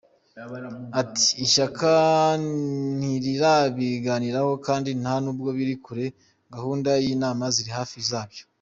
Ati “Ishyaka ntirirabiganiraho kandi nta nubwo biri kuri gahunda y’inama ziri hafi zaryo.